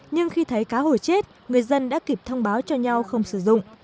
nhưng khi thấy cá hồi chết người dân đã kịp thông báo cho nhau không sử dụng